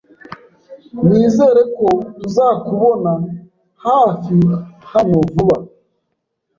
Nizere ko tuzakubona hafi hano vuba.